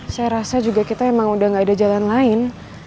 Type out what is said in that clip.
saya rasa juga kita emang udah gak ada jalan lain